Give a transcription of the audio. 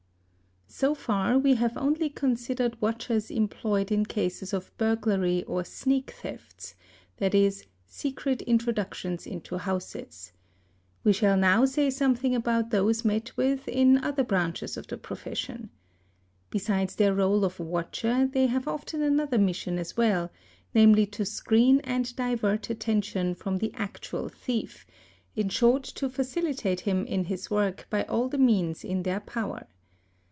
So far we have only considered watchers employed in cases of burglary or sneak thefts (7.e., secret introductions into houses); we shall now say — something about those met with in other branches of the profession. — Besides their réle of watcher they have often another mission as well, — namely to screen and divert attention from the actual thief, in short to — facilitate him in his work by all the means in their power.